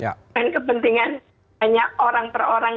kepentingan hanya orang per orang